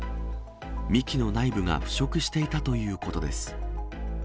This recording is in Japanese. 幹の内部が腐食していたということです。